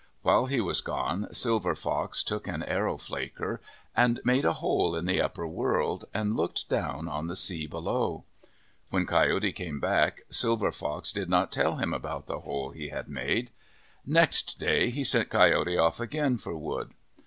While he was gone, Silver Fox took an arrow flaker and made a hole in the upper world, and looked down on the sea below. When Coyote came back, Silver Fox did not tell him about the hole he had made. Next day he sent Coyote off again for wood.